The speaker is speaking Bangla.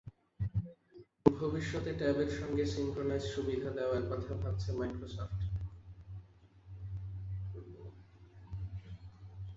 ভবিষ্যতে ট্যাবের সঙ্গে সিনক্রোনাইজ সুবিধা দেওয়ার কথা ভাবছে মাইক্রোসফট।